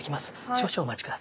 少々お待ちください。